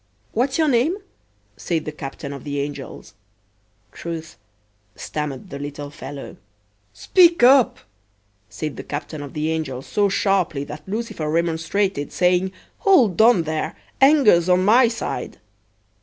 "What's your name?" said the Captain of the Angels. "Truth," stammered the little fellow. "Speak up," said the Captain of the Angels so sharply that Lucifer remonstrated, saying, "Hold on there; Anger's on my side."